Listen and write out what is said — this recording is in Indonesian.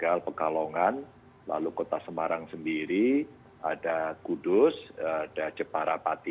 ada sekitar pekalongan lalu kota semarang sendiri ada kudus ada jeparapati